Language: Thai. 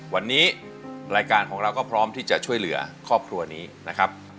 วันนี้รายการของเราก็พร้อมที่จะช่วยเหลือครอบครัวนี้นะครับ